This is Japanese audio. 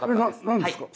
何ですか？